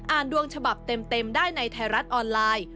ดวงฉบับเต็มได้ในไทยรัฐออนไลน์